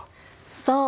そう。